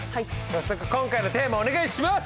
早速今回のテーマお願いします！